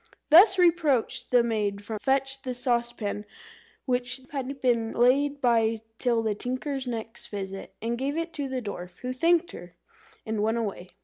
Thus reproached, the maid fetched the saucepan, which had been laid by till the tinker's next visit, and gave it to the dwarf, who thanked her, and went away.